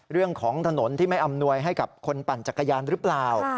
เรื่องของถนนที่ไม่อำนวยให้กับคนปั่นจักรยานหรือเปล่า